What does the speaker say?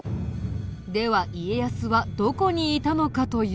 では家康はどこにいたのかというと。